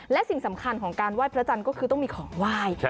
และสิ่งสำคัญของการไหว้พระจันทร์ก็คือต้องมีของไหว้